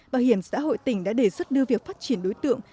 bảo hiểm xã hội tỉnh đã đề xuất đưa việc phát triển đối tượng